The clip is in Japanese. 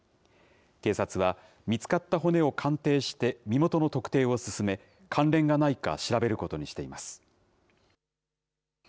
警察は、見つかった骨を鑑定して、身元の特定を進め、関連がないか調べることにしています。